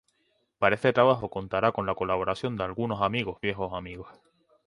Para este trabajo contará con la colaboración de algunos amigos viejos amigos.